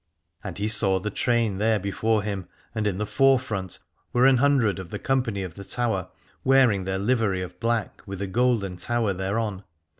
And he saw the train there before him : and in the forefront were an hundred of the com pany of the Tower, wearing their livery of black with a golden tower thereon.